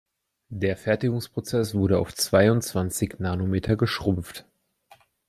Der Fertigungsprozess wurde auf zweiundzwanzig Nanometer geschrumpft.